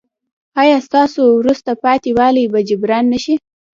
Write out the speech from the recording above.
ایا ستاسو وروسته پاتې والی به جبران نه شي؟